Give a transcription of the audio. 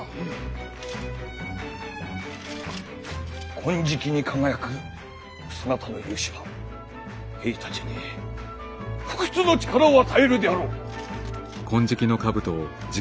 金色に輝くそなたの雄姿は兵たちに不屈の力を与えるであろう！